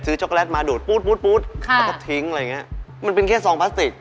ช็อกโลตมาดูดปูดปุ๊ดแล้วก็ทิ้งอะไรอย่างเงี้ยมันเป็นแค่ซองพลาสติก